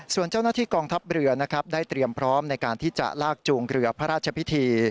ส่วนเจ้าหน้าที่กองทัพเรือนะครับได้เตรียมพร้อมในการที่จะลากจูงเรือพระราชพิธี